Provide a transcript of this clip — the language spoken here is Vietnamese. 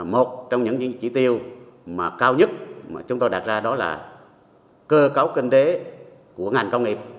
một trong những chỉ tiêu mà cao nhất mà chúng tôi đặt ra đó là cơ cấu kinh tế của ngành công nghiệp